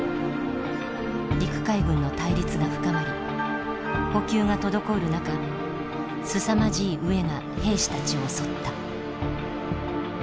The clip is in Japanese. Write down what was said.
陸海軍の対立が深まり補給が滞る中すさまじい飢えが兵士たちを襲った。